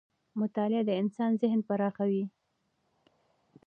مطالعه د انسان ذهن پراخوي